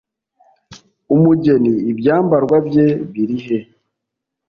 umugeni ibyambarwa bye birihe